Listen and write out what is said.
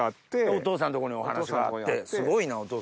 お父さんとこにお話があってすごいなお父さんも。